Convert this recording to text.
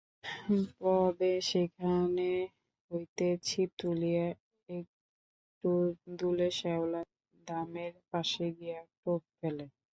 পবে সেখান হইতে ছিপ তুলিয়া একটু দূলে শ্যাওলা দামের পাশে গিয়া টোপ ফেলে।